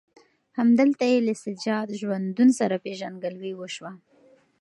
همدلته یې له سجاد ژوندون سره پېژندګلوي وشوه.